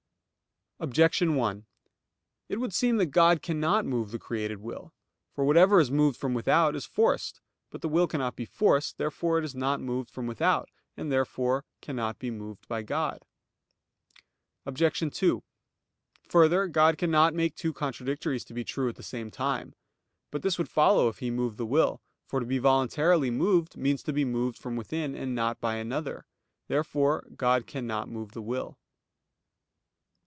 Objection 1: It would seem that God cannot move the created will. For whatever is moved from without, is forced. But the will cannot be forced. Therefore it is not moved from without; and therefore cannot be moved by God. Obj. 2: Further, God cannot make two contradictories to be true at the same time. But this would follow if He moved the will; for to be voluntarily moved means to be moved from within, and not by another. Therefore God cannot move the will.